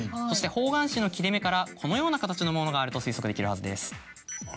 そして方眼紙の切れ目からこのような形のものがあると推測できるはずです。